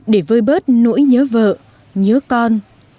để vơi bớt nỗi nhớ vợ nhớ con